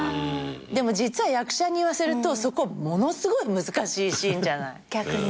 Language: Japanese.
でも実は役者にいわせるとそこものすごい難しいシーンじゃない。